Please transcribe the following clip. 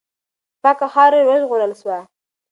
پاکه خاوره وژغورل سوه.